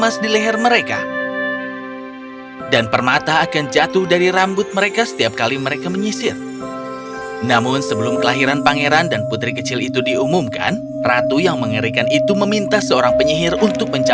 saatnya mereka menderita